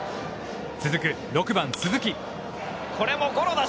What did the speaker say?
続く６番鈴木。